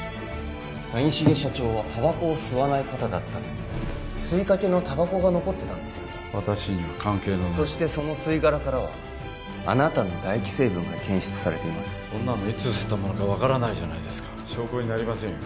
谷繁社長はタバコを吸わない方だったのに吸いかけのタバコが残ってた私には関係のないそしてその吸い殻からはあなたの唾液成分が検出されてるいつ吸ったものか分からない証拠になりませんよ